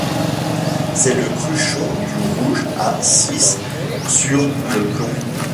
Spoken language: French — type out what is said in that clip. C’est le cruchon du rouge à six sur le plomb.